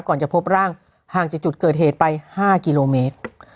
จะพบร่างห่างจากจุดเกิดเหตุไป๕กิโลเมตร